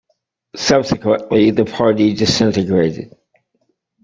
Subsequently the party disintegrated.